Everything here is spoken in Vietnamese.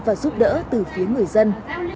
đã nhận được sự đồng thuận và giúp đỡ từ phía người dân